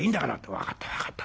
「分かった分かった」。